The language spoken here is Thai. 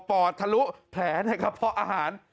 อดทะลุแผลในกระเพาะอาหาร